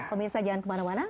pemirsa jangan kemana mana